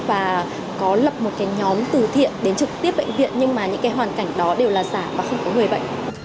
và có lập một nhóm thử thiện đến trực tiếp bệnh viện nhưng mà những hoàn cảnh đó đều là giả và không có người bệnh